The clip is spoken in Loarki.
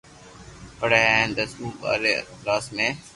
پڙي ھي ھين دس مون ٻاري ڪلاس ۾